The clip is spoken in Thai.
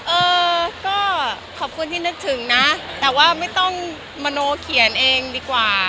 เออก็ขอบคุณที่นึกถึงนะแต่ว่าไม่ต้องมโนเขียนเองดีกว่า